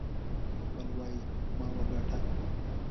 بل وايي ما وګاټه.